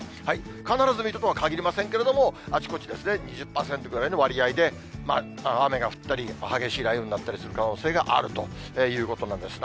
必ず水戸とは限りませんけれども、あちこちですね、２０％ぐらいの割合で、雨が降ったり、激しい雷雨になったりする可能性があるということなんです。